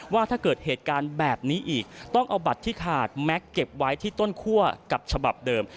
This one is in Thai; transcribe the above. ว่าถ้าเกิดเหตุการณ์แบบนี้อีกต้องเอาบัตรที่ขาดแม็กซ์เก็บไว้ที่ต้นคั่วกับฉบับเดิม